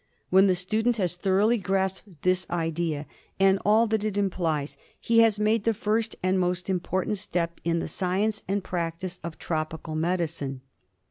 When the student has thoroughly grasped this idea and all that it implies, he has made the first and most important step in the science and practice of tropical medicine.